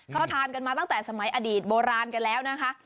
เขาทานกันมาตั้งแต่สมัยอดีตโบราณกันแล้วนะคะ